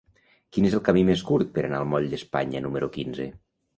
Quin és el camí més curt per anar al moll d'Espanya número quinze?